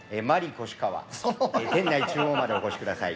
店内中央までお越しください